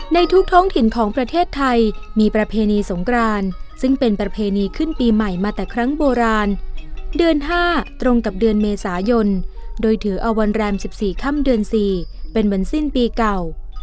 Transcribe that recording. ในทุกท้องถิ่นของประเทศไทยมีประเพณีสงกรานซึ่งเป็นประเพณีขึ้นปีใหม่มาแต่ครั้งโบราณเดือน๕ตรงกับเดือนเมษายนโดยถือเอาวันแรม๑๔ค่ำเดือน๔เป็นวันสิ้นปีเก่า